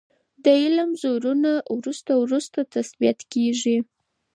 د علم زونونه وروسته وروسته تثبیت کیږي.